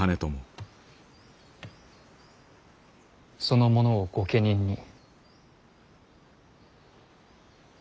その者を御家人に。